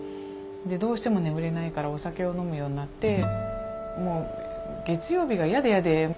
どうしても眠れないからお酒を飲むようになってもう月曜日が嫌で嫌で。